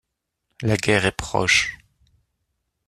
La guerre est proche.